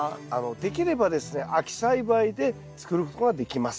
できればですね秋栽培で作ることができます。